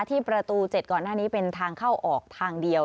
ที่ประตู๗ก่อนหน้านี้เป็นทางเข้าออกทางเดียว